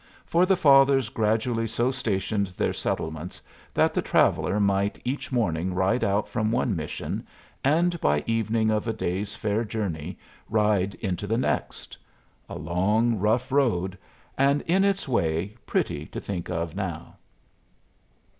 For the fathers gradually so stationed their settlements that the traveller might each morning ride out from one mission and by evening of a day's fair journey ride into the next. A long, rough road; and in its way pretty to think of now.